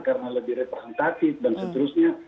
karena lebih representatif dan seterusnya